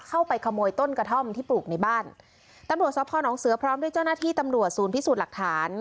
เข้าไปขโมยต้นกระท่อมที่ปลูกในบ้านตำรวจสพนเสือพร้อมด้วยเจ้าหน้าที่ตำรวจศูนย์พิสูจน์หลักฐาน